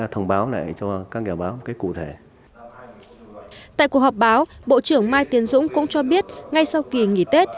tại cuộc họp báo bộ trưởng mai tiến dũng cũng cho biết ngay sau kỳ nghỉ tết